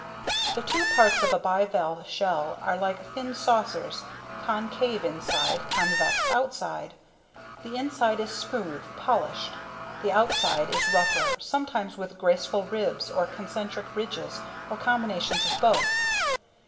The two parts of a bivalve shell are like thin saucers, concave inside, convex outside. The inside is smooth, polished. The outside is rougher, sometimes with graceful ribs or concentric ridges or combinations of both.